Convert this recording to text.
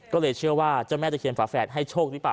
ก็เลยเชื่อว่าเจ้าแม่ตะเคียนฝาแฝดให้โชคหรือเปล่า